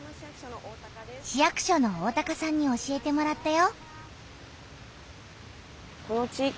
市役所の大さんに教えてもらったよ。